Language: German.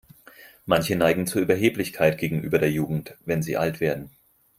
Manche neigen zu Überheblichkeit gegenüber der Jugend, wenn sie alt werden.